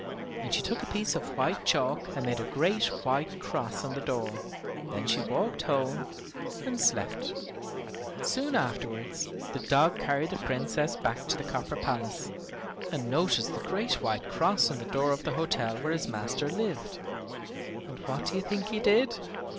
And she took a piece of white chalk and made a great white cross on the door. Then she walked home and slept. Soon afterwards the dog carried the Princess back to the copper palace, and noticed the great white cross on the door of the hotel where his master lived. And what do you think he did?